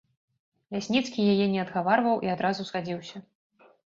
Лясніцкі яе не адгаварваў і адразу згадзіўся.